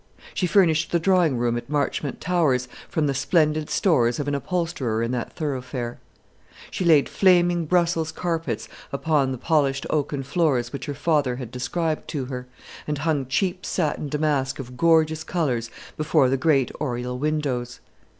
She furnished the drawing room at Marchmont Towers from the splendid stores of an upholsterer in that thoroughfare. She laid flaming Brussels carpets upon the polished oaken floors which her father had described to her, and hung cheap satin damask of gorgeous colours before the great oriel windows.